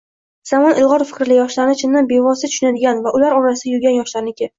Zamon ilg‘or fikrli, yoshlarni ichidan bevosita tushunadigan va ular orasida yurgan yoshlarniki.